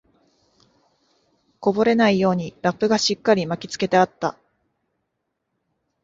こぼれないようにラップがしっかり巻きつけてあった